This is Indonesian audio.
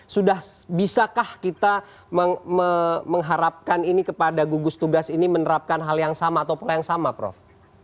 sudah bisakah kita mengharapkan ini kepada gugus tugas ini menerapkan hal yang sama atau pola yang sama prof